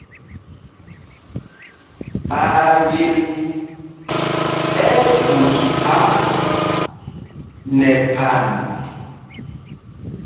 Phayel ɛ́ ɛ́ gus phā nɛ phan.